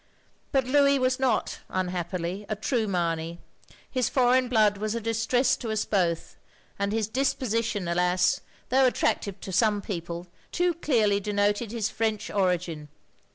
But Louis was not, unhappily, a true Mamey : his foreign blood was a distress to us both, and his disposition, alas, though at tractive to some people, too clearly denoted his French origin.